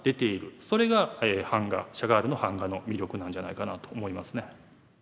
それが版画シャガールの版画の魅力なんじゃないかなと思いますね。